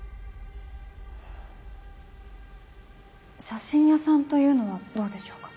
写真屋さんというのはどうでしょうか？